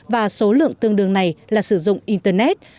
và số lượng tương đương này là sử dụng internet